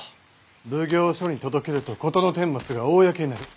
奉行所に届けると事の顛末が公になる。